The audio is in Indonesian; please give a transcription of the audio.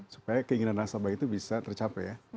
supaya keinginan nasabah itu bisa tercapai ya